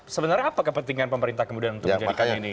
sebenarnya apa kepentingan pemerintah kemudian untuk menjadikan ini